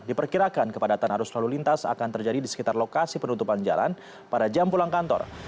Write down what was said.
diperkirakan kepadatan arus lalu lintas akan terjadi di sekitar lokasi penutupan jalan pada jam pulang kantor